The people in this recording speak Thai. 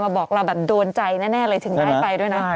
บอกเราแบบโดนใจแน่เลยถึงได้ไปด้วยนะ